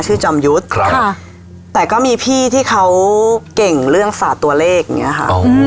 จอมยุทธ์ครับแต่ก็มีพี่ที่เขาเก่งเรื่องฝาตัวเลขอย่างเงี้ยค่ะ